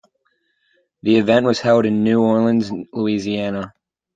The event was held in New Orleans, Louisiana.